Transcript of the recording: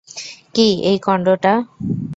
কী, এই কন্ডোটা?